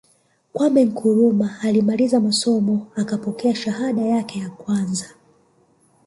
Kwame Nkrumah alimaliza masomo akapokea shahada yake ya kwanza